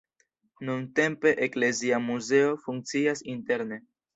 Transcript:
Nuntempe eklezia muzeo funkcias interne.